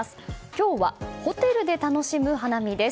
今日はホテルで楽しむ花見です。